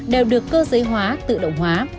đều được cơ dễ hóa tự động hóa